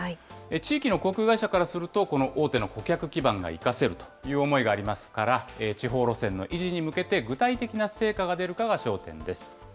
地域の航空会社からすると、この大手の顧客基盤が生かせるという思いがありますから、地方路線の維持に向けて具体的な成果が出るかが焦点です。